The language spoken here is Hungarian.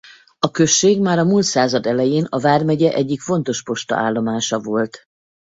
A község már a mult század elején a vármegye egyik fontos postaállomása volt.